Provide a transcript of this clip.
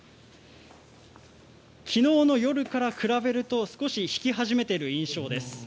昨日の夜から比べると少し引き始めている印象です。